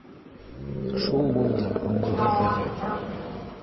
— Шул булды һуңғы һүҙҙәре